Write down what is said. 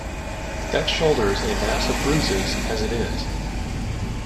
That shoulder's a mass of bruises as it is.